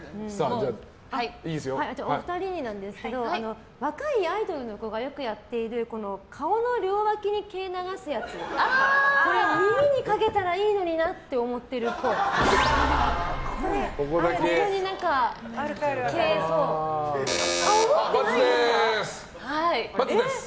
お二人になんですけど若いアイドルの子がよくやっている顔の両脇に毛を流すやつ耳にかけたらいいのになって思ってるっぽい。×です！×です。